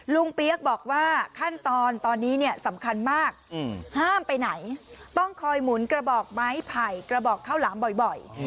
เปี๊ยกบอกว่าขั้นตอนตอนนี้เนี่ยสำคัญมากห้ามไปไหนต้องคอยหมุนกระบอกไม้ไผ่กระบอกข้าวหลามบ่อย